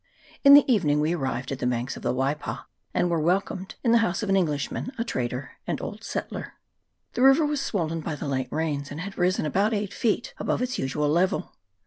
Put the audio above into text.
IN the evening we arrived at the banks of the Waipa, and were welcomed in the house of an Englishman, a trader and old settler. The river was swollen by the late rains, and had risen about eight feet above its usual level.